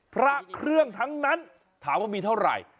พระเครื่องทั้งนั้นถามว่ามีเท่าไหร่